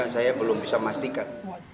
saya belum bisa memastikan